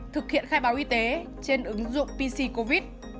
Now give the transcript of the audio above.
thực hiện khai báo y tế trên ứng dụng pc covid